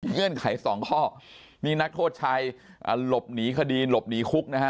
เงื่อนไขสองข้อนี่นักโทษชายหลบหนีคดีหลบหนีคุกนะฮะ